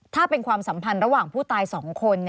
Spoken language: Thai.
ถ้าเป็นความสัมพันธ์ระหว่างผู้ตาย๒คน